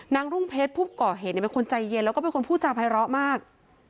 รุ่งเพชรผู้ก่อเหตุเป็นคนใจเย็นแล้วก็เป็นคนพูดจาภัยร้อมาก